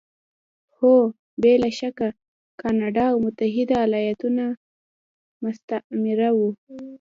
هو! بې له شکه کاناډا او متحده ایالتونه مستعمره وو.